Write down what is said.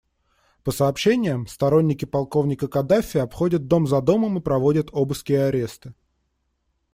По сообщениям, сторонники полковника Каддафи обходят дом за домом и проводят обыски и аресты.